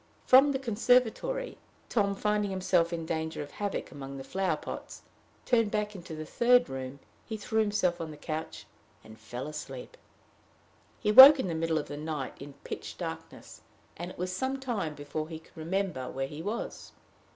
From the conservatory, Tom, finding himself in danger of havoc among the flower pots, turned back into the third room, threw himself on a couch, and fell fast asleep. He woke in the middle of the night in pitch darkness; and it was some time before he could remember where he was.